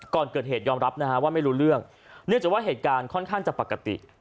ก่อนเกิดเหตุยอมรับนะฮะว่าไม่รู้เรื่องเนื่องจากว่าเหตุการณ์ค่อนข้างจะปกติ